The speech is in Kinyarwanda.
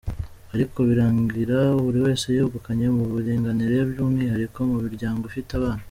Ariko birangira buri wese yungukiye mu buringanire, by’umwihariko mu miryango ifite abana.